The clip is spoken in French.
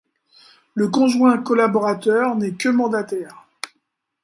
Le conjoint collaborateur n'est que mandataire.